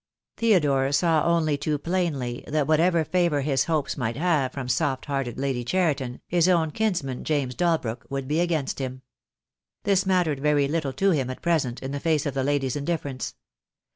Theodore saw only too plainly that whatever favour his hopes might have from soft hearted Lady Cheriton, his own kinsman, James Dalbrook, would be against him. This mattered very little to him at present, in the face of the lady's indifference.